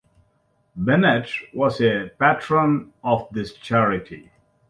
Bennett was a patron of this charity.